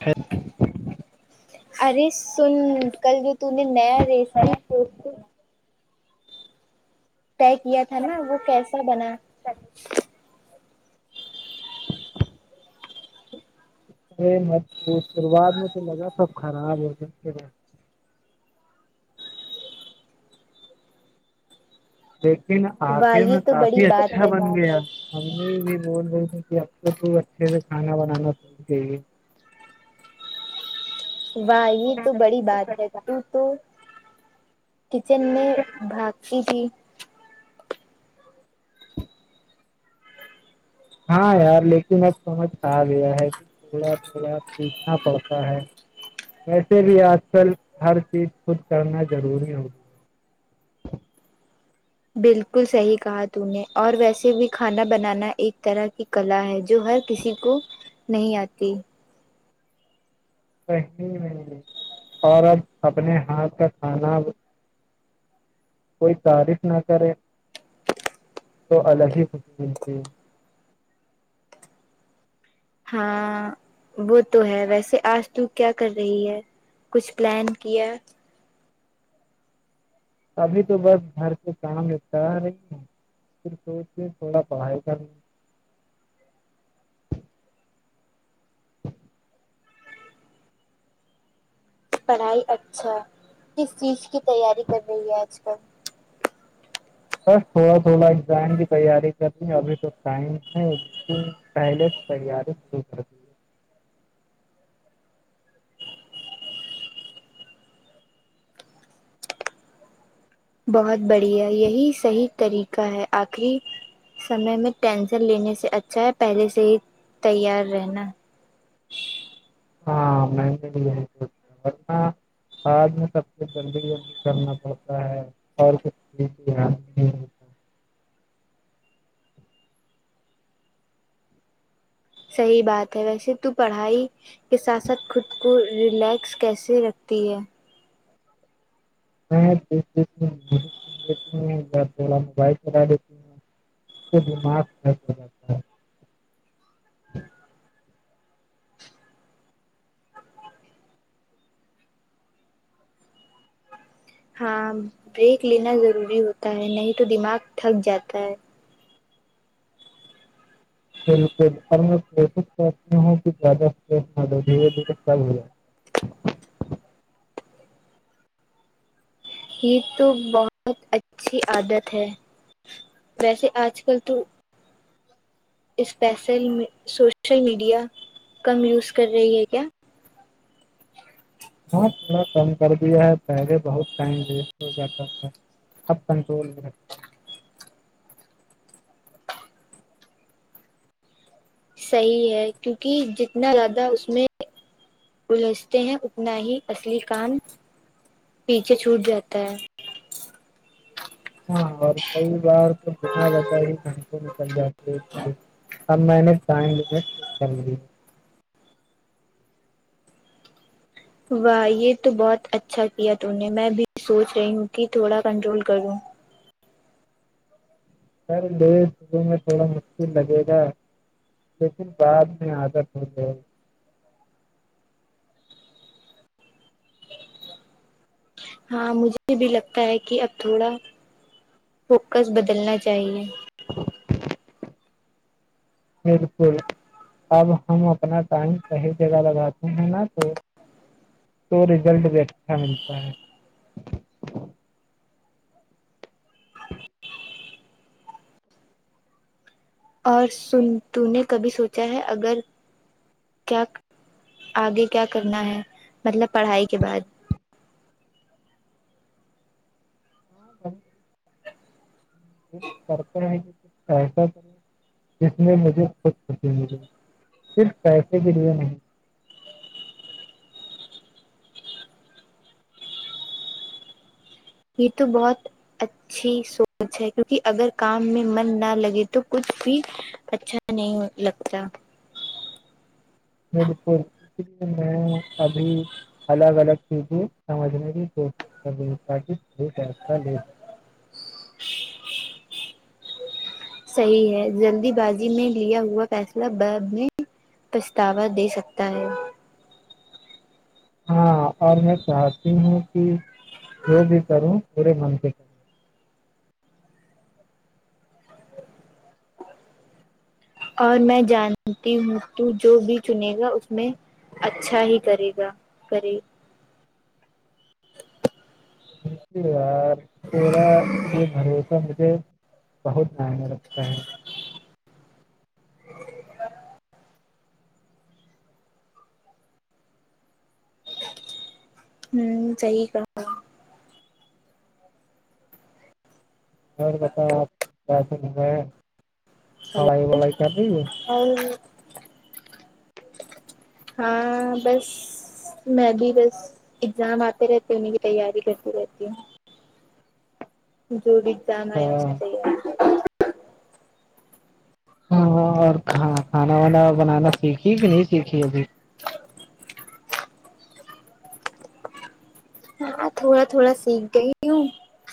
پھر ارے سن کل جو تونے نیا ریسیپی [unintelligible] طے کیا تھا نا وہ کیسا بنا شروعات میں تو لگا سب خراب ہو جاے لیکن واہ اکھڑ یہ میں تو بڑی کافی بات اچھا ہے بن گیا ہم نے بھی بول رہی تھی کہ اب تو تو اچھے سے کھانا بنانا سیکھ گئی ہے واہ یہ تو بڑی بات ہے تو تو کچن میں بھاکسی تھی ہاں یار لیکن اب سمجھ آ گیا ہے کہ تھوڑا تھوڑا سیکچنا پڑتا ہے ویسے بھی آج کل ہر چیز خود کرنا ضروری ہوگی بالکل صحیح کہا تونے اور ویسے بھی کھانا بنانا ایک طرح کی کلا ہے جو ہر کسی کو نہیں آتی نہیں اور اب اپنے ہاتھ کا کھانا کوئی تعریف نہ کرے تو الگ ہی خشی ملتی ہے ہاں وہ تو ہے ویسے آج تو کیا کر رہی ہے کچھ پلان کیا ابھی تو بس گھر کے کام لپٹایا ہے پھر سوچ کے تھوڑا پڑھائی کرنا [inaudible] پڑھائی اچھا کس چیز کی تیاری کر رہی ہے آج کل تھوڑا اگزام کی تیاری کر رہی ہوں ابھی تو ٹائم ہے پہلے سے تیاری شروع کر دی ہے۔ بہت بڑھیا یہی صحیح طریقہ ہے آخری سمے میں ٹینشن لینے سے اچھا ہے پہلے سے ہی تیار رہنا [inaudible] ہاں میں نے لیا ہے ورنہ میں سب سے جلدی یہ کرنا پڑتا ہے اور [unintelligible] صحیح بات ہے ویسے تو پڑھائی کے ساتھ ساتھ خود کو ریلیکس کیسے رکھتی ہے میں لیتی تھوڑا موبائل چلا لیتی ہوں دماغ ہو جاتا ہے ہاں بریک لینا ضروری ہوتا ہے نہیں تو دماغ تھک جاتا ہے بالکل اور میں کوشش کرتی ہوں کہ زیادہ نہ دو دھیرے دھیرے تب ہو جائے یہ تو بہت اچھی عادت ہے ویسے آج کل تو اسپیسل سوشل میڈیا کم یوز کر رہی ہے کیا ہاں تھوڑا کم کر دیا ہے پہلے بہت ٹائم ویسٹ ہو جاتا تھا اب کنٹرول میں ہوں صحیح ہے کیونکہ جتنا زیادہ اس میں الجھتے ہیں اتنا ہی اصلی کام پیچھے چھوٹ جاتا ہے ہاں اور کئی بار تو بنا وجہ ہی گھنٹے نکل جاتے اب میں ٹائم ویسٹ نہیں کرنی واہ یہ تو بہت اچھا کیا تم نے میں بھی سوچ رہی ہوں کہ تھوڑا کنٹرول کروں پہلے شروع میں تھوڑا مشکل لگے گا لیکن بعد میں عادت ہو گی ہاں مجھے بھی لگتا ہے کہ اب تھوڑا فوکس بدلنا چاہیے [unintelligible] بالکل اب ہم اپنا ٹائم صحیح جگہ لگاتے ہیں نا تو تو ریزلٹ بھی اچھا ملتا ہے اور سن تم نے کبھی سوچا ہے اگر کیا آگے کیا کرنا ہے مطلب پڑھائی کے بعد ہاں [unintelligible] جس میں مجھے خود خوشی ملی صرف پیسے کے لیے نہیں یہ تو بہت اچھی سوچ ہے کیونکہ اگر کام میں من نہ لگے تو کچھ بھی اچھا نہیں لگتا بالکل اس لیے میں ابھی الگ الگ چیزیں سمجھنے کی کوشش کر رہی تاک فصلہ لے سک [inaudible] صحیح ہے جلدی بازی میں لیا ہوا فیصلہ بعد میں پچھتاوا دے سکتا ہے ہاں اور میں چاہتی ہوں کہ جو بھی کروں پورے من سے کر اور میں جانتی ہوں تو جو بھی چنے گا اس میں اچھا ہی کرے گا کرے ارے یار تیرا لیے بھروسہ مجھے بہت مہنگا رکھتا ہے ہوں صحیح کہا اور بتاؤ اپ پڑائی وڑائی کر رہی ہو اور ہاں بس میں بھی بس اگزام آتے رہتی ہوں انیں کی تیاری کرتی رہتی ہوں جو بھی ایگزام اے ہے اس کی ہاں جگہ ہاں اور کھ کھانا وانا بنانا سیکھی کہ نہیں سیکھی ابھی ہاں تھوڑا تھوڑا سیکھ گئی ہوں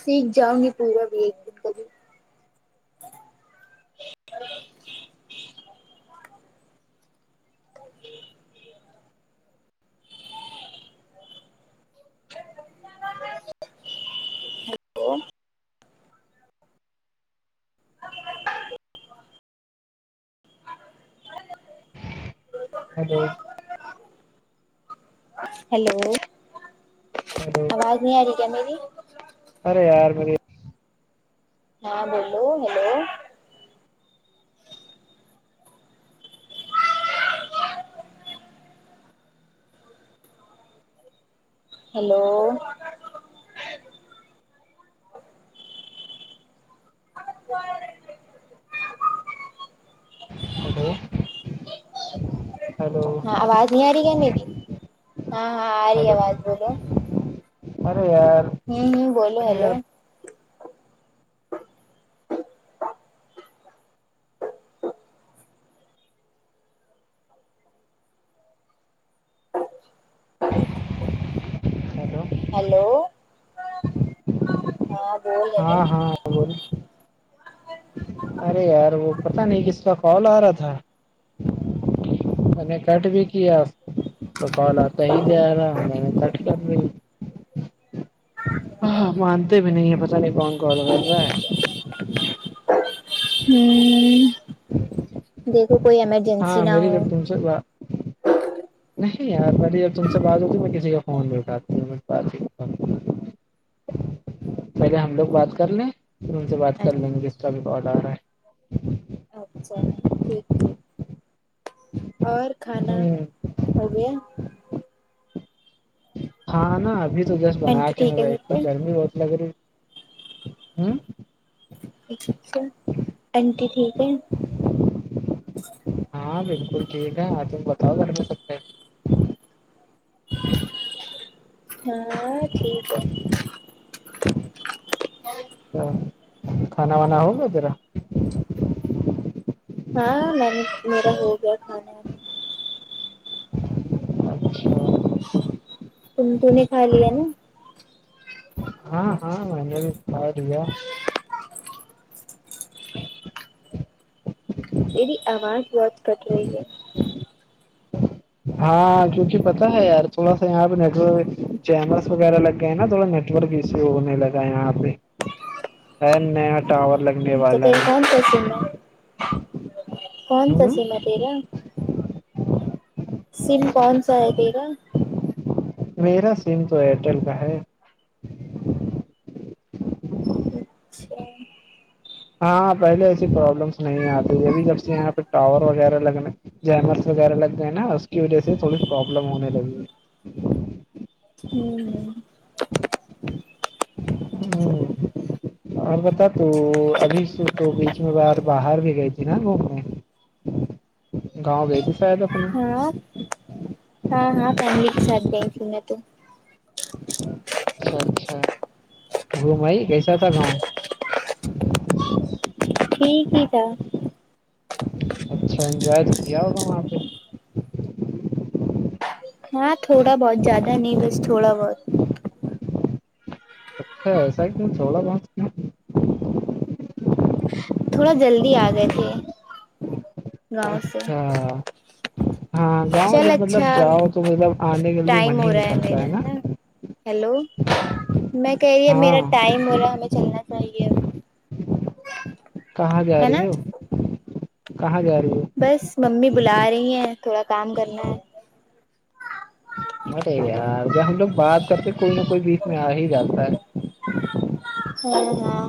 سیکھ جاؤں نی پورا بھی دن کبھی ہیلو [unintelligible] ہیلو ہیلو ہلو آواز نہیں آ رہی کیا میری ارے یار میری ہاں بولو ہیلو ہیلو [unintelligible] ہلو ہلو ہاں آواز نہیں آ رہی کیا میری ہاں ہاں آ رہی ہلو آواز بولو ارے یار ہوم ہوم بولو ارے ہیلو یار ہلو ہیلو ہاں بول رہے ہاں ہاں بول ارے یار وہ پتا نہیں کس کا کال آ رہا تھا میں نے کٹ بھی کیا تو کال آتا ہی جا رہا ہے میںنے کٹ کر ہاں مانتے بھی نہیں ہے پتہ نہیں کون کال کر رہا ہے ہوں [inaudible] دیکھو کوئی ایمرجنسی نہ ہو جگہ [inaudible] نہیں یار پہلے جب تم سے بات ہوتی میں کسی کا فون نہیں اٹھاتا ہو [inaudible] پہلے ہم لوگ بات کر لیں پھر ان سے بات کر لیں گے اس کا بھی کال آرہا ہے اچھا ٹھیک ٹھیک اور ہے کھانا ہ ہو گیا ہاں نا ابھی تو جسٹ بنا آنٹی کے ٹھیک میں ہے گھر پہ بیٹھی گرمی بہت لگ رہی ہوں [unintelligible] آنٹی ٹھیک ہے ہاں بالکل ٹھیک ہے تم بتاؤ گھر میں سب کیسے ہے ہاں ٹھیک ہے [inaudible] تو کھانا وانا ہوگیا تیرا ہاں نہ میرا ہوگیا کھانا اچھا تم تو نے کھالیا نہ ہاں ہاں میں نے بھی کھا لیا ا دی آواز بہت کٹ رہی ہے ہاں کیونکہ پتا ہے یار تھوڑا سا یہاں پہ نٹورک چینلس وغیرہ لگ گئے ہیں نا تھوڑا نیٹ ٹرا بزی ہونے لگا ہے یہاں پی [unintelligible] ا نیا ٹاور لگ تو تم کون سا سیم ہے کون ہ پسند ہے تیرا سم کون سا ہے تیرا میرا سیم تو ایئرٹیل کا ہے اچھا ہاں پہلے ایسی پرابلمز نہیں آتی ابھی جب سے یہاں پہ ٹاور وغیرہ لگیے چینلز وغیرہ لگ گئے نا اس کی وجہ سے تھوڑی پرابلمز ہونے لگی ہے ہوں ہے اور بتا تو ابھی س تو بیچ میں ب باہر بھی گئی تھی نا وہ گھومنے گاؤں گئ تھی شاید اپنے ہاں ہاں ہاں فیملی کے ساتھ گئی تھی میں تو اچھا اچھا گھوم آئی کیسا تھا گاؤں ٹھیک ہی تھا اچھا انجوائے تو کیا ہوگا وہاں پہ ہاں تھوڑا بہت زیادہ نہیں بس تھوڑا بہت اچھا ایسا کیوں تھوڑا بہت کیوں تھوڑا جلدی آ گئے تھے گاؤں سے اچھا ہاں گاؤں چل جب مطلب اچھا جاؤ تو مطلب آنے کے لئے من ٹائم ہی ہو رہا نکلتا میرا ہے نا ہیلو میں کہہ رہی ہ میرا ہاں ٹائم میرا ہمیں چلنا چاہیے کہاں جا ہے نا رہی ہو کہاں جا رہی ہو بس ممی بلا رہی ہیں تھوڑا کام کرنا ہے بٹے یار جب ہم لوگ بات کرتے کوئی نہ کوئی بیچ میں آ ہی جاتا ہے ہاں ہاں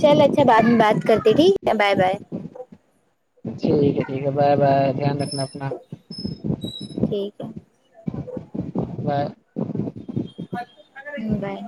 چل اچھا بعد میں بات کرتے ٹھیک ہے بائے بائے ٹھیک ہے ٹھیک ہے بائے بائے دھیان رکھنا اپنا ٹھیک بائے بائے